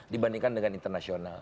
dibandingkan dengan internasional